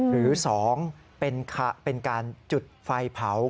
หรือ๒เป็นการจุดไฟเผา